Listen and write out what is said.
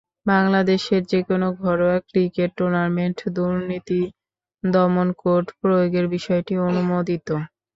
বাংলাদেশের যেকোনো ঘরোয়া ক্রিকেট টুর্নামেন্টে দুর্নীতি দমন কোড প্রয়োগের বিষয়টি অনুমোদিত।